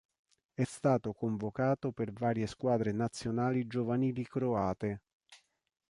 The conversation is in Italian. È stato convocato per varie squadre nazionali giovanili croate.